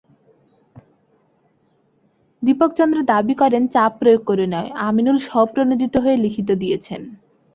দীপক চন্দ্র দাবি করেন, চাপ প্রয়োগ করে নয়, আমিনুল স্বপ্রণোদিত হয়ে লিখিত দিয়েছেন।